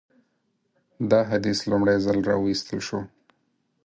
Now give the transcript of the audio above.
دا حدیث لومړی ځل راوایستل شو.